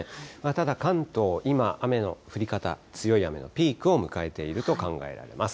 ただ、関東、今、雨の降り方、強い雨のピークを迎えていると考えられます。